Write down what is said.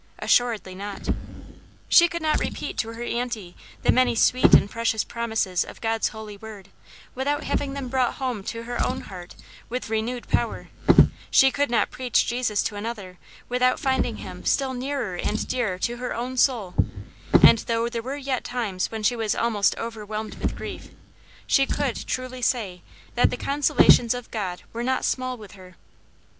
Assuredly not. She could not repeat to her aunt the many sweet and precious promises of God's holy word, without having them brought home to her own heart with renewed power; she could not preach Jesus to another without finding him still nearer and dearer to her own soul; and though there were yet times when she was almost overwhelmed with grief, she could truly say that the "consolations of God were not small with her."